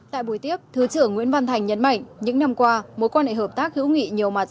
tại buổi tiếp thứ trưởng nguyễn văn thành nhấn mạnh những năm qua mối quan hệ hợp tác hữu nghị nhiều mặt